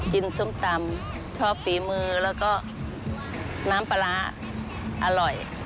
ส้มตำชอบฝีมือแล้วก็น้ำปลาร้าอร่อย